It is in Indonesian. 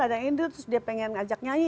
ada yang indus dia pengen ngajak nyanyi